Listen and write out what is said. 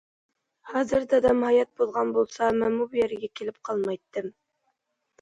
ھازىر دادام ھايات بولغان بولسا، مەنمۇ بۇ يەرگە كېلىپ قالمايتتىم.